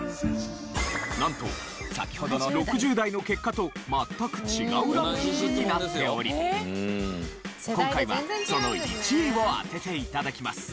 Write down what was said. なんと先ほどの６０代の結果と全く違うランキングになっており今回はその１位を当てて頂きます。